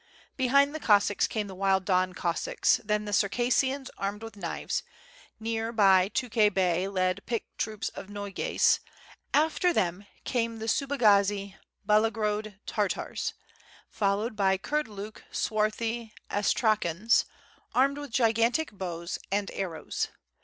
WITH FIRE AND SWORD. 705 Behind the Cossacks came the wild Don Cossacks then the Circassians armed with knives; near by Tukhay Bey led picked troops of Nogais, alter them came the Subagazi Bya logrod Tartars, followed by Kurdluk swarthy Astrakhans armed with gigantic bows, and arrows.